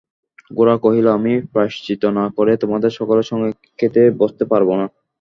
গোরা কহিল, আমি প্রায়শ্চিত্ত না করে তোমাদের সকলের সঙ্গে খেতে বসতে পারব না।